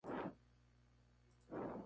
Sus restos mortales están enterrados en Vlorë.